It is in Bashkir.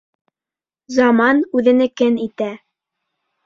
Заман үҙенекен итә.